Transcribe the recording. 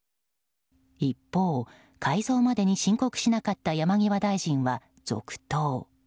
一方、改造までに申告しなかった山際大臣は続投。